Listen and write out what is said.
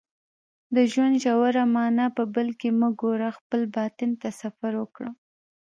د ژوند ژوره معنا په بل کې مه ګوره خپل باطن ته سفر وکړه